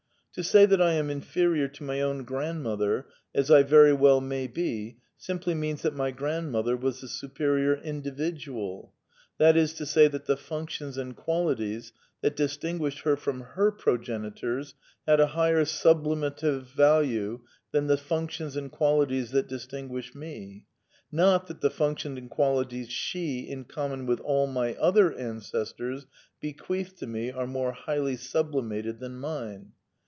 To say that I am inferior to my own grandmother, as I very well may be, simply means that my grandmother was the superior individual, that is to say that the functions and qualities that distinguished her from her progenitors had a higher ^""Tublimative value than the functions and qualities that dis tinguish me, not that the functions and qualities she, in common with all my other ancestors, bequeathed to me are more highly sublimated than mine.